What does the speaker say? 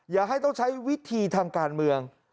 อย่าให้ต้องใช้วิธีทางการเมือง